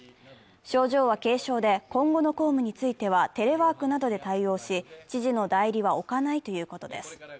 症状は軽症で、今後の公務についてはテレワークなどで対応し、知事の代理は置かないということです。